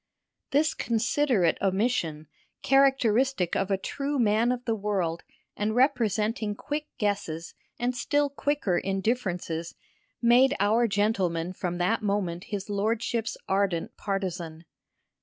This considerate omission, characteristic of a true man of the world and representing quick guesses and still quicker indifferences, made our gentleman from that moment his lordship's ardent partisan.